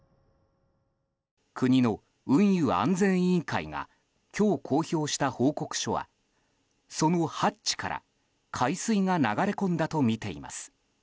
国の運輸安全委員会が今日公表した報告書はそのハッチから海水が流れ込んだとみています。